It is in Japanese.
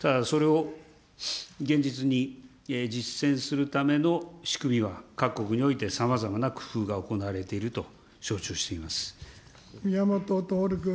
ただ、それを、現実に実践するための仕組みは各国においてさまざま工夫が行われ宮本徹君。